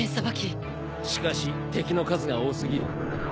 しかし敵の数が多すぎる。